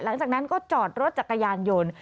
หลังจากนั้นก็จอดรถจักรยานยนต์